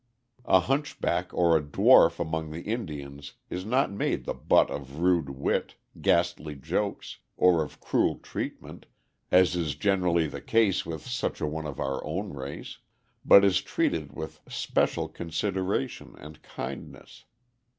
A hunchback or a dwarf among the Indians is not made the butt of rude wit, ghastly jokes, or of cruel treatment, as is generally the case with such a one of our own race, but is treated with special consideration and kindness.